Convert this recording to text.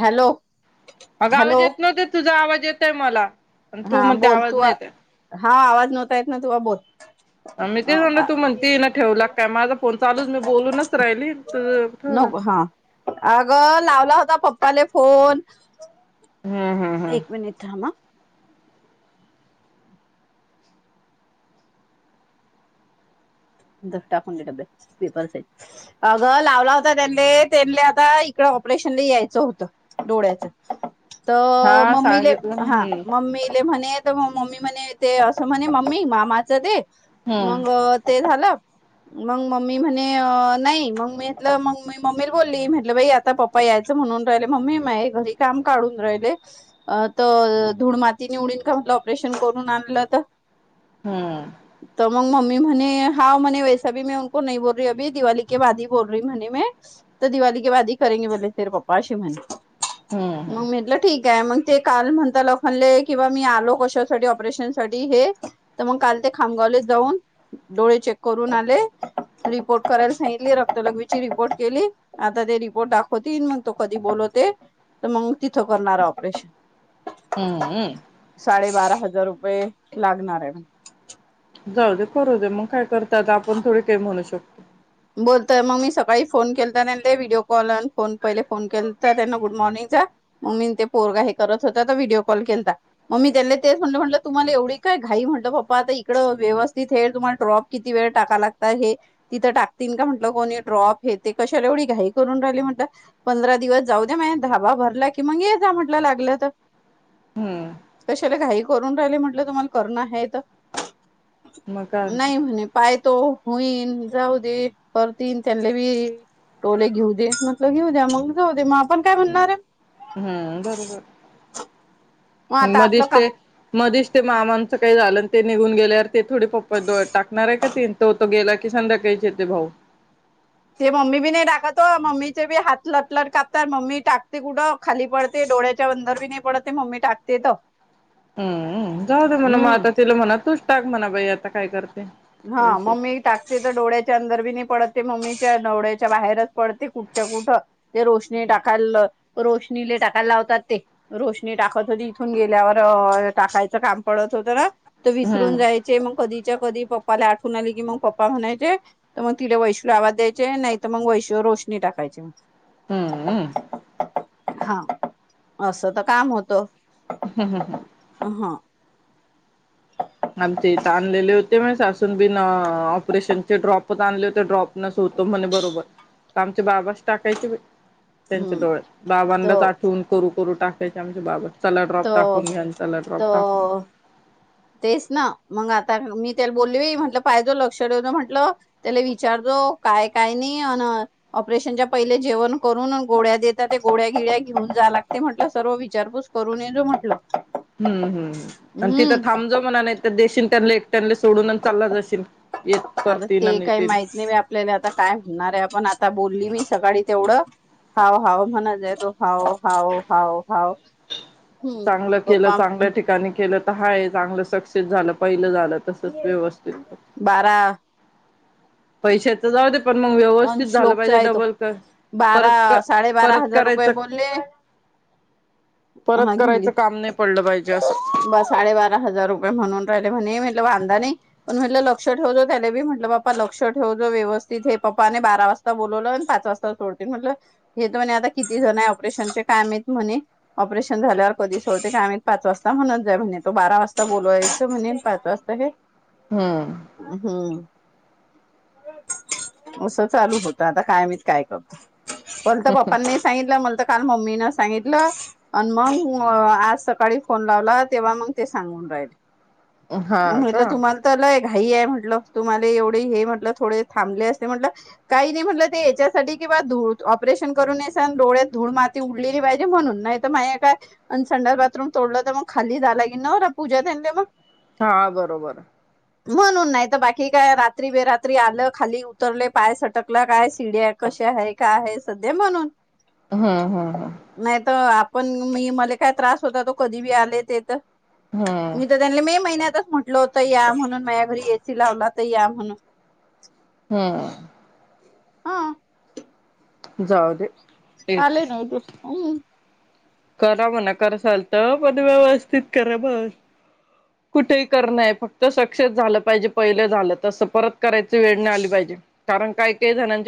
Hello अग hello आवाज येत नव्हते तुझा, आवाज येतोय मला. आणि तू हा म्हणते बोल, आवाज तू नाही येतय हा आवाज नव्हता येत नव्हता तु बोल. म मी तेच म्हणलं, तू म्हणती ना ठेवला काय, माझा फोन चालूच आहे, मी बोलूनच राहिली तू ठेवला नको हा अगं लावला होता, पप्पाने फोन, हम्म हम्म एक हम्म मिनिट थांमा. टाकून दे डब्बे, पेपर साईज अगं लावला होता त्यांनी, त्यांनी आता इकड ऑपरेशनला यायचं होतं डोळ्याच. तर हा मम्मीले सांगितलं हा हम्म मम्मीले म्हणे मग मम्मी म्हणे, ते असं म्हणे मम्मी मामाचं ते, हम्म मग ते झालं मग मम्मी म्हणे, नाही मग मी म्हटलं मग म मम्मी बोलली, म्हटलं बाई आता पप्पा पप्पा यायचं म्हणून राहिले, मम्मी माही घरी काम काढून राहिले. अ त धूळ मातीच [unintelligible] म्हटलं ऑपरेशन करून आणलं तर हम्म तर मग मम्मी म्हणे हा म्हणे वैसा भी उनो नाही बोल र अी दिवाली के बाी बोल र म म्हणे म तर दिवाली क बाी करेे बले ते पप्पा अशी म्हणते हम्म मग म्हटलं ठीक आहे मग ते काल म्हणता ल खणले किंवा मी आलो कशासाठी ऑपरेशन साठी हे तर मग काल ते खामगावले जाऊन डोळे चेक करून आले रिपोर्ट करायला सांगितली रक्तलघ्वीची रिपोर्ट केली आता ते रिपोर्ट दाखवतील मग तो कधी बोलवते तर मग तिथं करणार ऑपरेशन हम्मम साडेबारा हजार रुपये लागणार आहे म जाऊ दे करू दे मग काय करतात आपण थोडी काही म्हणू शकतो बोलत मग मी सकाळी फोन केलाता त्यां व्हिडिओ कॉल फोन पहिले फोन केता त्यांना गुड मॉर्निंग जा मग मी ते पोरगा हे करत होता तर व्हिडिओ कॉल केता मम्मीी त्यांनी तेच म्हट म्हटलं तुम्हाला एवढी काय घई म्हटलं पप्पा आता इकं व्यवस्थित हे तुम्हाला ड्रॉप किती वेळ टाका लागत हे तिथं टाक तीन का म्हटलं कोणी ड्रॉप आहे ते कशाला एवढी घाई करून राहिली म्हट पंधरा दिवस जाऊ दे म्हग धाबा भरला की मग ये जा म्हटलं लागलं तर हम्म तशाला घाई करून राहिले म्हटलं तुम्हाला करणं आहे मग काय नाही म्हणे पाय तो होईन जाऊ दे करतील त्यांले बी टोले घेऊ दे म्हटलं घेऊ द्या मग जाऊ दे मग आपण काय म्हणणार आहे हम्म बरोबर आणि आता मग आपलं का दिसते मधीच ते मामांचं काही झालं ते निघून गेल्यावर ते थोडी पप्पात टाकणार आहे का तेी तो तो गेला की संध्याकाळीच येते भाऊ ते मम्मी बी नाही टाकतो मम्मीचे बी हात लटलट कापत मम्मी टाकते कुडं खाली पडते डोळ्याच्या अंदर बी नाही पडते मम्मी टाकते त हम्म जाऊ द म्हणा म आता तिला म्हणा तूच टाक म्हणा बाई आता काय करते हा पैसे मम्मी टाकती तर डोळ्याच्या अंदर बी नाही पडते मम्मीच्या डोळ्याच्या बाहेरच पडते कुठ कुठं ते रोशनी टाकायला रोशनीला टाकायला लावतात ते रोशनी टाकत होती इथून गेल्यावर टाकायचं काम पडत होत ना तर हम्म विसरून जायचे मग कधीच्या कधी पप्पाला आठवून आले की मग पप्पा म्हणायचे तर मग तिला वैश्ू आवाज द्यायचे नाही तर मग वैश्वर रोशनी टाकायचीग हम्म हम् हा असं तर काम होत हम् हं हं ह हां आमचे इथं आणलेले होते म सासून बिन ऑपरेशनचे ड्रॉप आणले होते ड्रॉप स होतो म्हणे बरोबर आमच्या बाबाच टाकायचे त्यांच्या हम्म डोळ्यात त बाबांनाच आठवून करू करू टाकायचे आमच्या बाब त सलाड्रॉप दाखव मी आणि सला डॉप टाक त तेच ना मग आता मी त्याला बोलली म्हटलं पाहिजो लक्ष ठेवतो म्हटलं त्याला विचारतो काय काय नाही अ ऑपरेशनच्या पहिले जेवण करून गोळ्या देतात ते गोळ्या गिळ्या घेऊन जा लागते म्हट सर्व विचारपू करू नय जो म्हटलं हम्म हम् आणि तिथं हम्म थांबजो म्हणा नाही तर देशीन त्या लेट त्यांना सोडून चालला जाशील य आता करतील ते आणि काही येतील माहित नाही आपल्याला आता काय होणार आहे आपण आता बोलली मी सकाळी तेवढं, हाव हाव म्हणत आहे तो. हाव हाव हाव हाव. हम्म चांगलं केलं पप्पा चांगलं ठिक काणी केलं तर हाय चांगलं सक्सेस झालं पहिलं झालं तसच व्यवस्थित. बारा. पैशाचं जाऊ दे पण मग अन व्यवस्थित झालं श्लोकचा पाहिजे आहे तो डबल कर बारा परत क साडेबारा परत हजार रुपये करायचं बोले. परत करायचं काम नाही पडलं पाहिजे असं. ब साडेबारा हजार रुपये म्हणून राहिले म्हणे म्हटलं वांदा नाही. पण म्हटलं लक्ष ठेव जो त्याल बी म्हटलं बाप्पा लक्ष ठेव जो व्यवस्थित हे पप्पाने बारा वाजता बोलवलं पाच वाजता सोडतील म्हटलं, हेेतण आता किती जण आहे ऑपरेशनचे काय मेत म्हणे. ऑपरेशन झाल्यावर कधी सोडते काय माहित पाच वाज म्हणत जाय म्हणे तो बारा वाजता बोलावायचं म्हणेल पाच वाजता हे हा. हा उस चालू होत आता काय म काय करतो पलत पप्पांनी सांगित मला तर काल मम्मी न सांगितलं, आणि मग आज सकाळी फोन लावला तेव्हा मग ते सांगून राहिली, हा म्हणलं का तुम्हाल तलाय घाई आहे म्हटलं तुम्हाला एवढे हे म्हटलं थोडे थांबले असते म्हटलं. काही नाही म्हटलं ते याच्यासाठी किंवा धूळ ऑपरेशन करून न आणि डोळ्यात धूळ मा ती उडली नाही पाहिजे म्हणून नाही त माया काय, अन संडास बाथरूम तोडलं तर म खाली जाय लागेन न पूजा त्यांनले म हा बरोबर. [inaudible] म्हणून नाही तर बाकी काय रात्री बेरात्री आलं खाली उतरले पाय सटकला काय सीड्या कसे आहे काय आहे सध्या म्हणून. हा हा हा. नाहीत आपण मी मले काय त्रास होता तो कधी बी आले तेेत हा. त्यांले मे महिन्यातच म्हटलं होतं या म्हणून माझ्या घरी ए सी लावला तर या म्हणून. हा. हा. जाऊ दे. तेच आले नाही ते, हम्म. करा म्हणा कर सालत पण व्यवस्थित करा बस. [inaudible] कुठेही कर नाही फक्त सक्सेस झालं पाहिजे पहिलं झालं तसं परत करायची वेळ नाही आली पाहिजे. कारण काय काय जनाचे